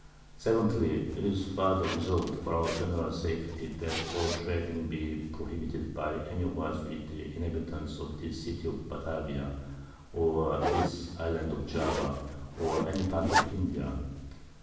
_ 7thly, _It's farther resolved for our general Safety that all trading be prohibited by any of us with the Inhabitants of this City of_ Batavia, or this Island of Java, or any part of India.